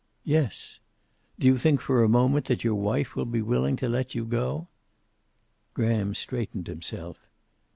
"Yes." "Do you think for a moment that your wife will be willing to let you go?" Graham straightened himself.